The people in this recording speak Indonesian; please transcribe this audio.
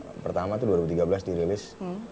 yang pertama itu dua ribu tiga belas dirilis